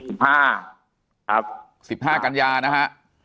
ครับ๑๕กัญญานะฮะ